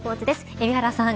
海老原さん